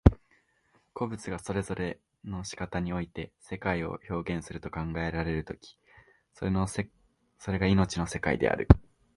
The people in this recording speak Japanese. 個物がそれぞれの仕方において世界を表現すると考えられる時、それが生命の世界である。